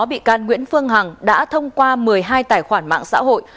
bị can nguyễn phương hằng đã thông qua một mươi hai tài khoản mạng xã hội